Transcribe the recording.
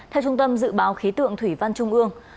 theo trung tâm dự báo khí tượng thủy văn trung ương